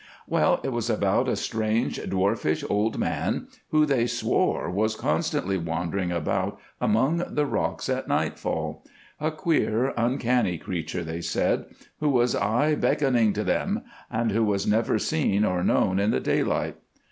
"Well, it was about a strange, dwarfish, old man, who, they swore, was constantly wandering about among the rocks at nightfall; a queer, uncanny creature, they said, who was 'aye beckoning to them,' and who was never seen or known in the daylight.